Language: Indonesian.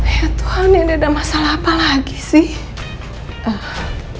ya tuhan ini ada masalah apa lagi sih